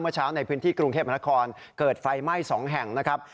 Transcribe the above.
เช้าในพื้นที่กรุงเทพมนาคมเกิดไฟไหม้๒แห่งนะครับ